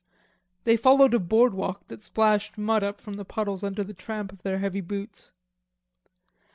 They followed a board walk that splashed mud up from the puddles under the tramp of their heavy boots.